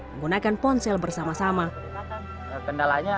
menggunakan ponsel bersama sama